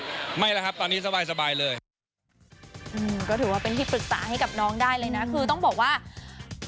อืมก็ถือว่าเป็นที่ปรึกษาให้กับน้องได้เลยนะคือต้องบอกว่า